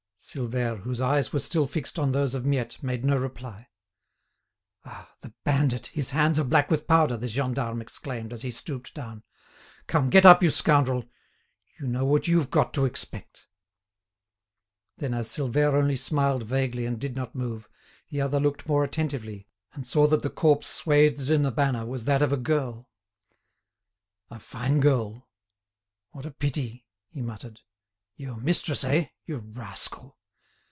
Silvère, whose eyes were still fixed on those of Miette, made no reply. "Ah! the bandit, his hands are black with powder," the gendarme exclaimed, as he stooped down. "Come, get up, you scoundrel! You know what you've got to expect." Then, as Silvère only smiled vaguely and did not move, the other looked more attentively, and saw that the corpse swathed in the banner was that of a girl. "A fine girl; what a pity!" he muttered. "Your mistress, eh? you rascal!"